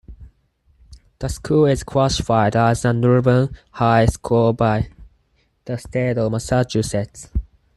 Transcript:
The school is classified as an urban high school by the state of Massachusetts.